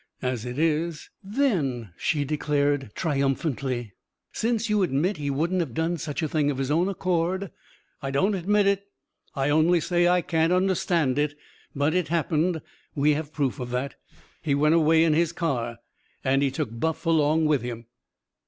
As it is " "Then," she declared triumphantly, "since you admit he wouldn't have done such a thing of his own accord " "I don't admit it. I only say I can't understand it. But it happened. We have proof of that. He went away in his car. And he took Buff along with him.